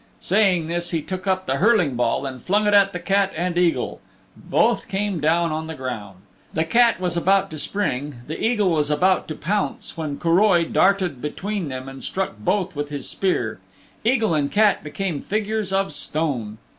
Saying this he took up the hurling ball and flung it at the Cat and Eagle. Both came down on the ground. The Cat was about to spring, the Eagle was about to pounce, when Curoi darted between them and struck both with his spear. Eagle and Cat became figures of stone.